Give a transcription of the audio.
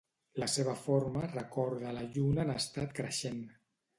La seva forma recorda la Lluna en estat creixent.